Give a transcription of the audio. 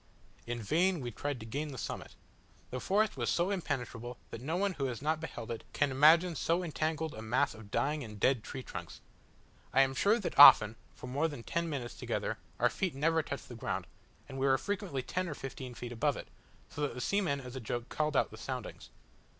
In vain we tried to gain the summit: the forest was so impenetrable, that no one who has not beheld it can imagine so entangled a mass of dying and dead trunks. I am sure that often, for more than ten minutes together, our feet never touched the ground, and we were frequently ten or fifteen feet above it, so that the seamen as a joke called out the soundings.